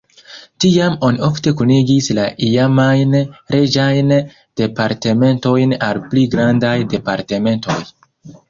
Tiam oni ofte kunigis la iamajn reĝajn departementojn al pli grandaj departementoj.